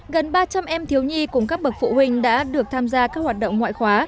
gần ba trăm linh em thiếu nhi cùng các bậc phụ huynh đã được tham gia các hoạt động ngoại khóa